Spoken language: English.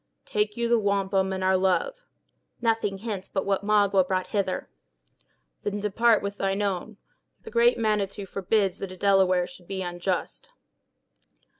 "Take you the wampum, and our love." "Nothing hence but what Magua brought hither." "Then depart with thine own. The Great Manitou forbids that a Delaware should be unjust."